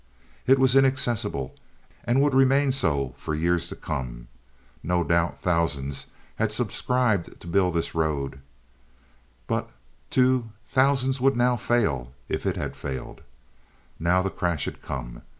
It was inaccessible, and would remain so for years to come. No doubt thousands had subscribed to build this road; but, too, thousands would now fail if it had failed. Now the crash had come.